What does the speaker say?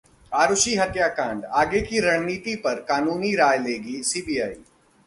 आरुषि हत्याकांड: आगे की रणनीति पर कानूनी राय लेगी सीबीआई